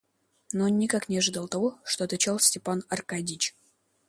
Но он никак не ожидал того, что отвечал Степан Аркадьич.